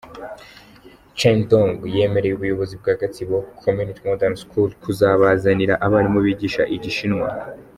Chen Dong yemereye ubuyobozi bwa Gatsibo Community Modern School kuzabazanira abarimu bigisha Igishinwa.